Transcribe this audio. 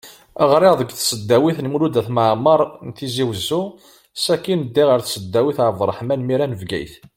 Ɣriɣ deg tesdawit n Mulud At Mɛemmeṛ n Tizi Wezzu, sakin ddiɣ ar tesdawit ɛeb Erraḥman Mira n Bgayet.